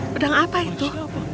pedang apa itu